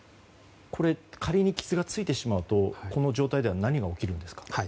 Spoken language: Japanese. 仮に傷がついてしまうとこの状態では何が起きるんですか？